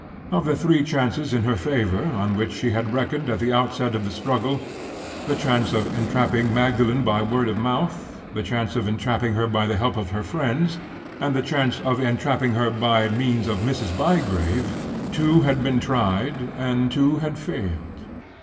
Of the three chances in her favor on which she had reckoned at the outset of the struggle—the chance of entrapping Magdalen by word of mouth, the chance of entrapping her by the help of her friends, and the chance of entrapping her by means of Mrs. Bygrave—two had been tried, and two had failed.